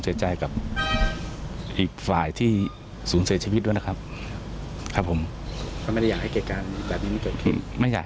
เสียใจกับอีกฝ่ายที่ศูนย์เสียชีวิตด้วยนะครับครับผมไม่อยาก